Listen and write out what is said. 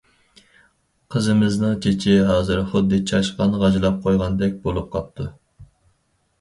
قىزىمىزنىڭ چېچى ھازىر خۇددى چاشقان غاجىلاپ قويغاندەك بولۇپ قاپتۇ.